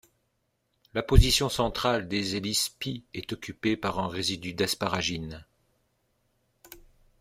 La position centrale des hélices π est occupée par un résidu d'asparagine.